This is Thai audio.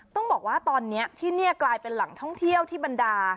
ต้องบอกว่าตอนนี้ที่นี่กลายเป็นแหล่งท่องเที่ยวที่บรรดา